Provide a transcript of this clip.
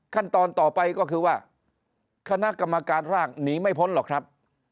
ขั้นตอนต่อไปก็คือว่าคณะกรรมการร่างหนีไม่พ้นหรอกครับ